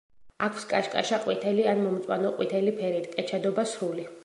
აქვს კაშკაშა ყვითელი ან მომწვანო ყვითელი ფერი, ტკეჩადობა სრული.